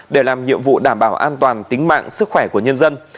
để làm nhiệm vụ đảm bảo an toàn tính mạng sức khỏe của nhân dân